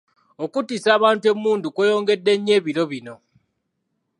Okuttisa abantu emmundu kweyongedde nnyo ebiro bino.